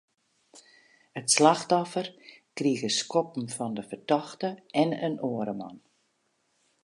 It slachtoffer krige skoppen fan de fertochte en in oare man.